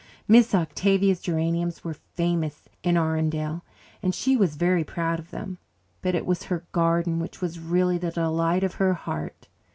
Miss Octavia's geraniums were famous in Arundel, and she was very proud of them. But it was her garden which was really the delight of her heart.